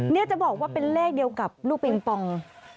นี่จะบอกว่าเป็นเลขเดียวกับลูกปิงปอง